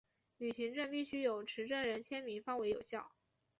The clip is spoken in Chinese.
旅行证必须有持证人签名方为有效。